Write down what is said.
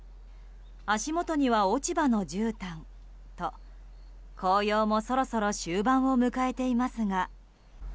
足元には落ち葉のじゅうたんと紅葉もそろそろ終盤を迎えていますが。